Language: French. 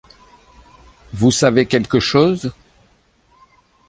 Vous savez quelque chose ?